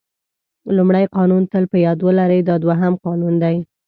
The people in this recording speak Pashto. لومړی قانون تل په یاد ولرئ دا دوهم قانون دی.